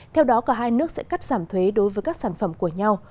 theo đó cả hai nước sẽ cắt giảm thuế đối với các sản phẩm của nhau